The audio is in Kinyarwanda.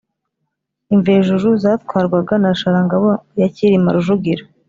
Imvejuru zatwarwaga na Sharangabo ya Cyilima Rujugira